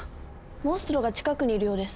モンストロが近くにいるようです。